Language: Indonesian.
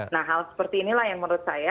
nah hal seperti inilah yang menurut saya